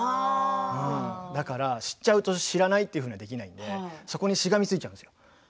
だから知っちゃうと知らないというふうにできないのでそこにしがみついちゃうんですよ。